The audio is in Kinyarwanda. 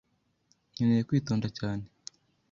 Nkeneye kwitonda cyane.